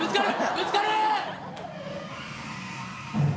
ぶつかる！